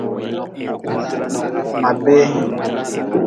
Ma bee.